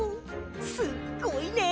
すっごいね！